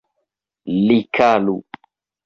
Likalu!